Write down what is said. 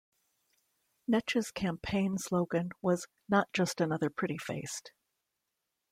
Netsch's campaign slogan was Not just another pretty face.